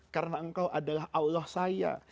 karena engkau adalah allah saya